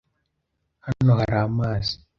Hano hari amazi.